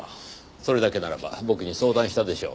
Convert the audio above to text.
それだけならば僕に相談したでしょう。